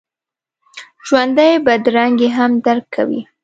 ژوندي بدرنګي هم درک کوي